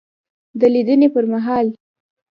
دلیدني پر مهال